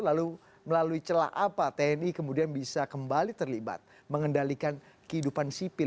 lalu melalui celah apa tni kemudian bisa kembali terlibat mengendalikan kehidupan sipil